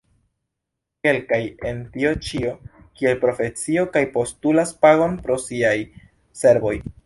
Kelkaj en tio ĉio kiel profesio kaj postulas pagon pro siaj servoj.